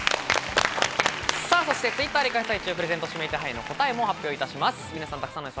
そしてＴｗｉｔｔｅｒで開催中のプレゼント指名手配の答えを発表します。